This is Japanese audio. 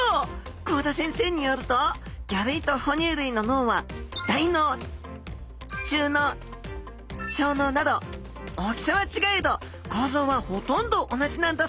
幸田先生によると魚類と哺乳類の脳は大脳中脳小脳など大きさはちがえど構造はほとんど同じなんだそうです！